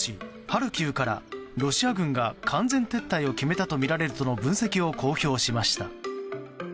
ハルキウからロシア軍が完全撤退を決めたとみられるとの分析を公表しました。